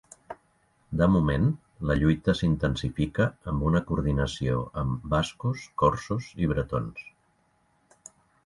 De moment, la lluita s’intensifica amb una coordinació amb bascos, corsos i bretons.